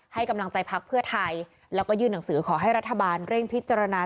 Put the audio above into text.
ให้กำลังใจพักเพื่อไทยแล้วก็ยื่นหนังสือขอให้รัฐบาลเร่งพิจารณา